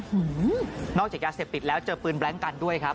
นอกจากยาเสพติดแล้วเจอปืนแบล็งกันด้วยครับ